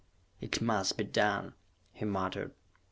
"It must be done!" he muttered.